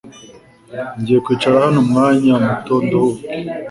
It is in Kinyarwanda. Ngiye kwicara hano umwanya muto nduhuke.